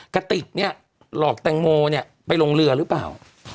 กระติกเนี่ยหลอกแตงโมเนี่ยไปลงเรือหรือเปล่า